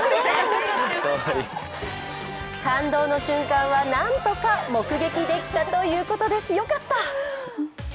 感動の瞬間は、なんとか目撃できたということです、よかった！